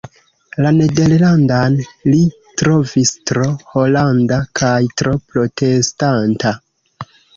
La nederlandan li trovis tro holanda kaj tro protestanta.